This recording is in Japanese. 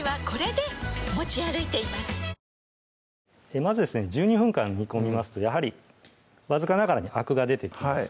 まずですね１２分間煮込みますとやはり僅かながらにあくが出てきます